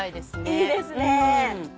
いいですね。